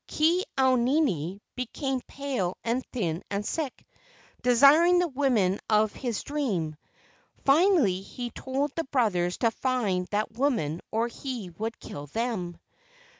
Ke au nini became pale and thin and sick, desiring the woman of his dream. Finally he told the brothers to find that woman or he would kill them.